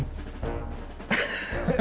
アハハハハ。